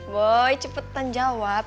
boy cepetan jawab